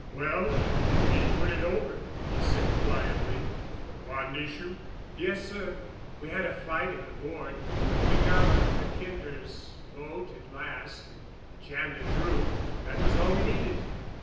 "Well, we put it over," he said quietly. "The bond issue?" "Yes, sir—we had a fight in the board, but we got McIntyre's vote at last and jammed it through—that was all we needed."